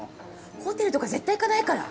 ホテルとか絶対行かないから。